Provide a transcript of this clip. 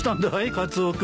カツオ君。